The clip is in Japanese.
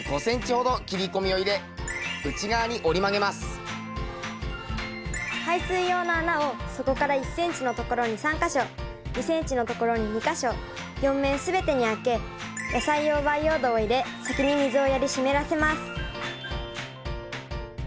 小さいので排水用の穴を底から１ｃｍのところに３か所２ｃｍのところに２か所４面全てにあけ野菜用培養土を入れ先に水をやり湿らせます。